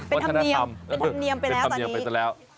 พนักธรรมทักเท่านี้ดูนี้ไปต่อแล้ว